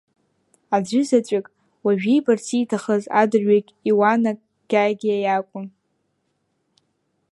Аӡәызаҵәык уажәы иибарц ииҭахыз адырҩегь Иуана Гьагьиа иакәын.